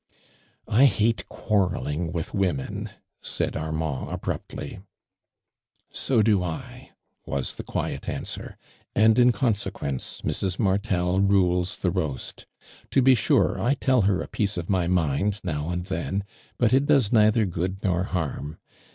" I hate quarrelling with women !" said Armand, abruptly. " So do I," was the cjuiet answer, " and in consequence Mrs. Martol rules the roast. To be sure, I tell her a piece of my mind, now and then, but it does neither good nor harm.